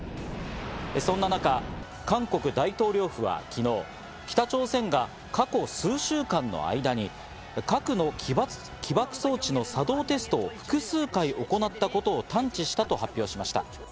そんな中、韓国大統領府は昨日、北朝鮮が過去数週間の間に核の起爆装置の作動テストを複数回行ったことを探知したと発表しました。